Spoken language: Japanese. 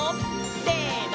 せの！